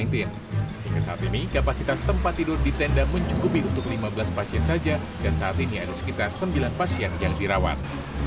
hingga saat ini kapasitas tempat tidur di tenda mencukupi untuk lima belas pasien saja dan saat ini ada sekitar sembilan pasien yang dirawat